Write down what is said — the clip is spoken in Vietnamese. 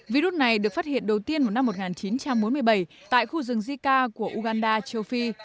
virus này được phát hiện đầu tiên vào năm một nghìn chín trăm bốn mươi bảy tại khu rừng jica của uganda châu phi